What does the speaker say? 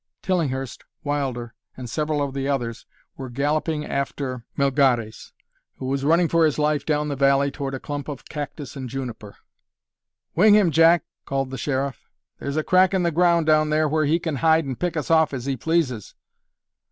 Tillinghurst, Wilder, and several of the others were galloping after Melgares, who was running for his life down the valley toward a clump of cactus and juniper. "Wing him, Jack!" called the Sheriff. "There's a crack in the ground down there where he can hide and pick us off as he pleases."